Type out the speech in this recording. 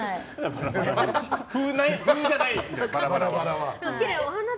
風じゃないです、バラバラは。